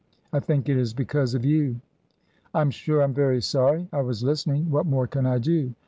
I think it is because of you." "I'm sure I'm very sorry. I was listening. What more can I do